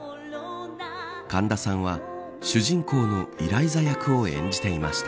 神田さんは、主人公のイライザ役を演じていました。